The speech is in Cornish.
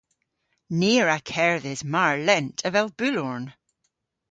Ni a wra kerdhes mar lent avel bulhorn.